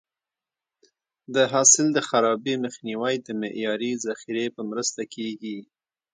د حاصل د خرابي مخنیوی د معیاري ذخیرې په مرسته کېږي.